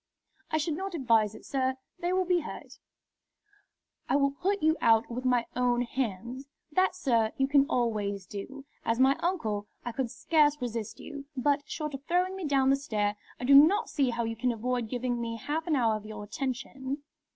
"I should not advise it, sir. They will be hurt." "I will put you out with my own hands." "That, sir, you can always do. As my uncle, I could scarce resist you. But, short of throwing me down the stair, I do not see how you can avoid giving me half an hour of your attention."